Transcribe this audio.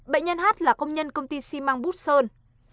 bệnh nhân h là công nhân công ty simang bút sơn